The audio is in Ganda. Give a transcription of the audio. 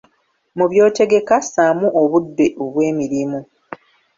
Mu by'otegeka, ssaamu obudde obw’emirimu.